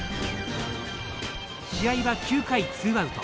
試合は９回ツーアウト。